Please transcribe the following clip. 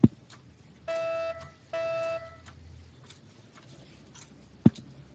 Omusajja oyo asindika kigaali.